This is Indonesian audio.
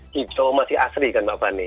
hijau masih asri kan mbak fani